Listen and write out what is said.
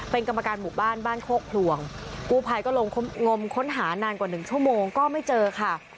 เป็นกรรมการหมู่บ้านบ้านโคกพลวงกู้ภัยก็ลงงมค้นหานานกว่าหนึ่งชั่วโมงก็ไม่เจอค่ะ